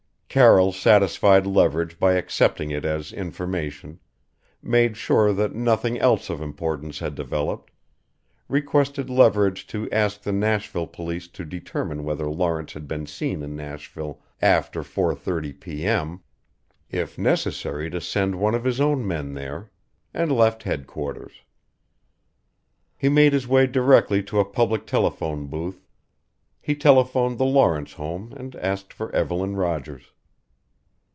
Carroll satisfied Leverage by accepting it as information, made sure that nothing else of importance had developed, requested Leverage to ask the Nashville police to determine whether Lawrence had been seen in Nashville after 4:30 p.m. if necessary to send one of his own men there and left headquarters. He made his way directly to a public telephone booth. He telephoned the Lawrence home and asked for Evelyn Rogers.